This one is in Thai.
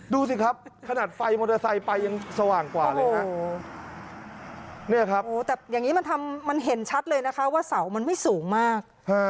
ดูสิครับขนาดไฟมอเตอร์ไซค์ไปยังสว่างกว่าเลยฮะเนี่ยครับโอ้แต่อย่างนี้มันทำมันเห็นชัดเลยนะคะว่าเสามันไม่สูงมาก